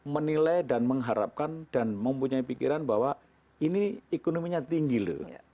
menilai dan mengharapkan dan mempunyai pikiran bahwa ini ekonominya tinggi loh